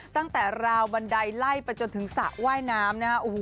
ตั้งแต่ราวบันไดไล่ไปจนถึงสระว่ายน้ำนะฮะ